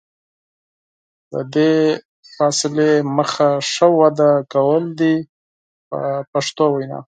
د دې فاصلې موخه ښه وده کول دي په پښتو وینا.